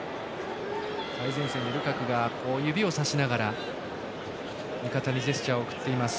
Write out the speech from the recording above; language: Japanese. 最前線でルカクが指をさしながら味方にジェスチャーを送っています。